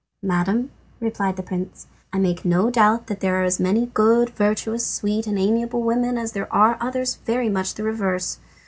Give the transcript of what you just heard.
"Madam," replied the prince, "I make no doubt that there are as many good, virtuous, sweet, and amiable women as there are others very much the reverse.